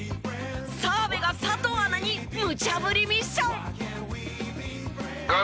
澤部が佐藤アナにむちゃ振りミッション。